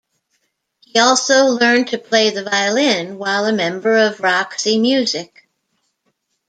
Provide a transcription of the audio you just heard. He also learned to play the violin while a member of Roxy Music.